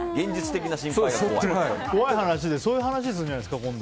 怖い話でそういう話するんじゃないですか。